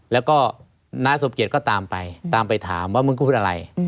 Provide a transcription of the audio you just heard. แล้วก็น้าสมเกียจก็ตามไปตามไปถามว่ามึงกูพูดอะไร